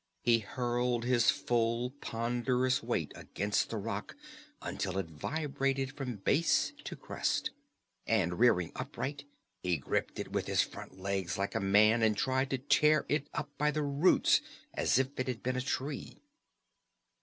He hurled his full ponderous weight against the rock until it vibrated from base to crest. And rearing upright he gripped it with his front legs like a man and tried to tear it up by the roots, as if it had been a tree.